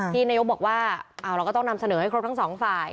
นายกบอกว่าเราก็ต้องนำเสนอให้ครบทั้งสองฝ่าย